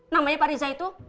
namanya pak riza itu